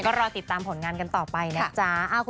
ก็รอติดตามผลงานกันต่อไปนะจ๊ะ